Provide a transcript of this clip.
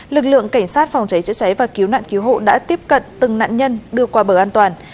lực lượng cảnh sát phòng cháy chữa cháy và cứu nạn cứu hộ đã tiếp cận từng nạn nhân đưa qua bờ an toàn